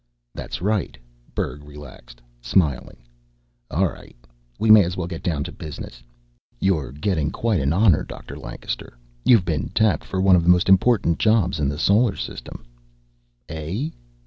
"That's right." Berg relaxed, smiling. "All right, we may as well get down to business. You're getting quite an honor, Dr. Lancaster. You've been tapped for one of the most important jobs in the Solar System." "Eh?"